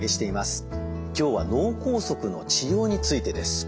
今日は脳梗塞の治療についてです。